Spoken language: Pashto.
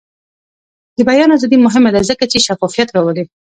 د بیان ازادي مهمه ده ځکه چې شفافیت راولي.